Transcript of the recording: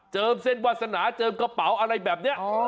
เจอร์มเส้นวัสนาเจอร์มกระเป๋าอะไรแบบเนี้ย